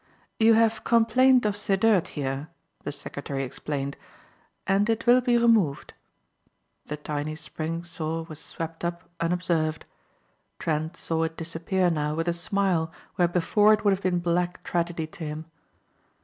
"You have complained of the dirt here," the secretary explained, "and it will be removed." The tiny spring saw was swept up unobserved. Trent saw it disappear now with a smile where before it would have been black tragedy to him.